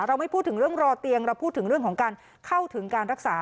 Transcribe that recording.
ไม่พูดถึงเรื่องรอเตียงเราพูดถึงเรื่องของการเข้าถึงการรักษา